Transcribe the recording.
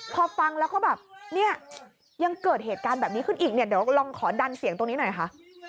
พอฟังแล้วก็แบบเนี่ยยังเกิดเหตุการณ์แบบนี้ขึ้นอีกเนี่ยเดี๋ยวลองขอดันเสียงตรงนี้หน่อยค่ะ